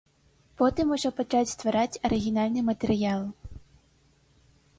Потым ужо пачаць ствараць арыгінальны матэрыял.